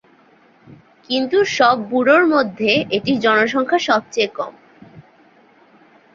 কিন্তু সব বরোর মধ্যে এটির জনসংখ্যা সবচেয়ে কম।